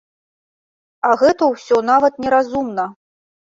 А гэта ўсё нават не разумна.